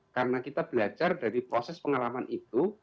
karena kita belajar dari proses pengalaman itu